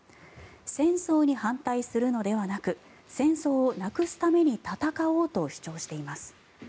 戦争に反対するのではなく戦争をなくすために戦おうと主張しています。